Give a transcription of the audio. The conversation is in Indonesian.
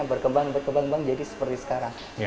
berkembang berkembang jadi seperti sekarang